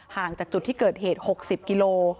ห่างจากจุดที่เกิดเหตุ๖๐กิโล